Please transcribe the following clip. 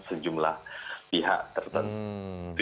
sejumlah pihak tertentu